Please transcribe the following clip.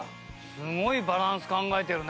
すごいバランス考えてるね。